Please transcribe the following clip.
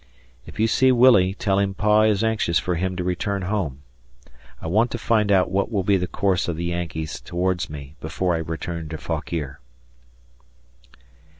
If you see Willie tell him Pa is anxious for him to return home. I want to find out what will be the course of the Yankees towards me before I return to Fauquier.